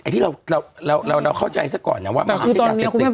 ไอ้ที่เราเราเราเข้าใจซะก่อนนะว่าแต่คือตอนนี้